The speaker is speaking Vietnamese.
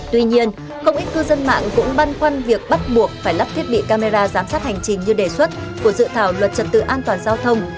tuy nhiên không ít cư dân mạng cũng băn khoăn việc bắt buộc phải lắp thiết bị camera giám sát hành trình như đề xuất của dự thảo luật trật tự an toàn giao thông